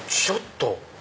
ちょっと！